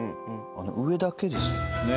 あの上だけですよね。